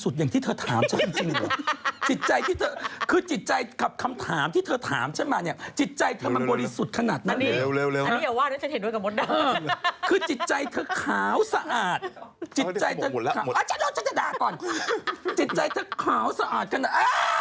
ทำไมคุณก้าวที่ชื่อเสียง